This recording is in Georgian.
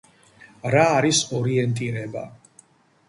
რა არის ორიენტირება